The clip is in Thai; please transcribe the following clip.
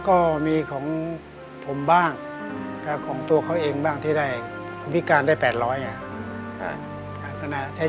ก็มีของผมบ้างของตัวเขาเองบ้างที่ได้พิการได้๘๐๐ไง